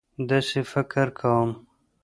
داسې فکر کوم.